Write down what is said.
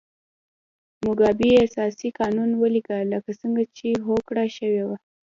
موګابي اساسي قانون ولیکه لکه څنګه چې هوکړه شوې وه.